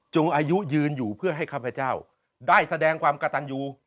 อายุยืนอยู่เพื่อให้ข้าพเจ้าได้แสดงความกระตันยู